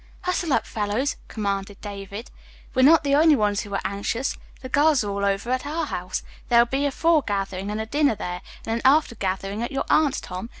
"Hustle up, fellows," commanded David. "We're not the only ones who were anxious. The girls are all over at our house. There'll be a foregathering and a dinner there, and an after gathering at your aunt's, Tom.